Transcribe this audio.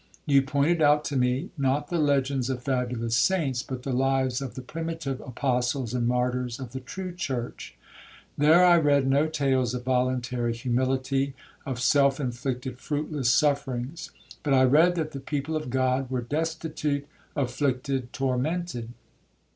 You pointed out to me, not the legends of fabulous saints, but the lives of the primitive apostles and martyrs of the true church. There I read no tales of 'voluntary humility,' of self inflicted, fruitless sufferings, but I read that the people of God were 'destitute, afflicted, tormented.'